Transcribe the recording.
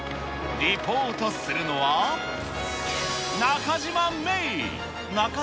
リポートするのは、中島芽生。